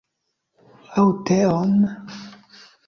Aŭ teon?